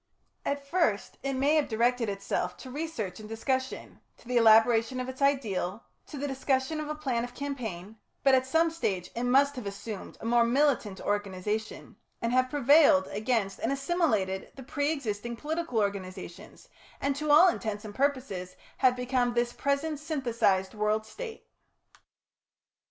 At first it may have directed itself to research and discussion, to the elaboration of its ideal, to the discussion of a plan of campaign, but at some stage it must have assumed a more militant organisation, and have prevailed against and assimilated the pre existing political organisations, and to all intents and purposes have become this present synthesised World State.